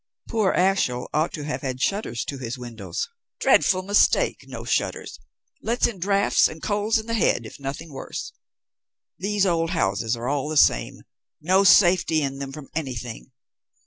"Poor Ashiel ought to have had shutters to his windows. Dreadful mistake, no shutters: lets in draughts and colds in the head, if nothing worse. These old houses are all the same. No safety in them from anything.